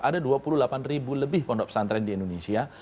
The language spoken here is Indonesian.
ada dua puluh delapan ribu lebih pondok pesantren di indonesia